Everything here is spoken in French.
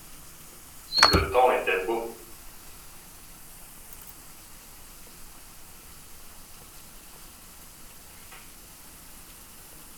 Le temps était beau.